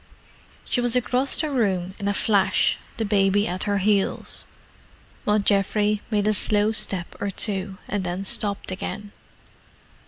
She was across the room in a flash, the baby at her heels, while Geoffrey made a slow step or two, and then stopped again.